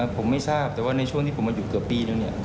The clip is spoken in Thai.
ผมไม่ทราบแต่ว่าในช่วงที่ผมมาอยู่เกือบปีนึง